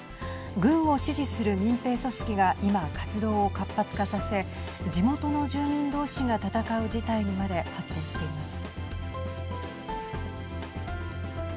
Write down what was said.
軍を支持する民兵組織が今、活動を活発化させ地元の住民どうしが戦う事態にまで発展しています。